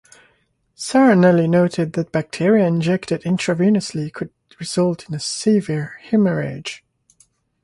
Sanarelli noted that bacteria injected intravenously could result in severe hemorrhage.